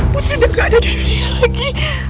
putri udah gak ada dirinya lagi